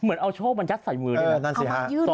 เหมือนเอาโชคมันยัดใส่มือเลยนะ